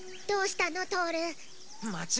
どうしたの？